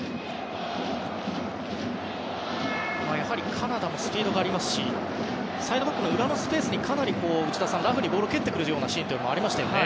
やはりカナダもスピードがありますしサイドバックの裏のスペースにかなりラフにボールを蹴ってくるシーンがありましたよね。